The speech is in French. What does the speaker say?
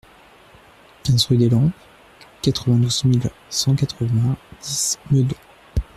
quinze rue des Lampes, quatre-vingt-douze mille cent quatre-vingt-dix Meudon